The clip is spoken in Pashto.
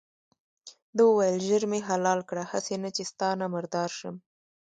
ده وویل ژر مې حلال کړه هسې نه چې ستا نه مردار شم.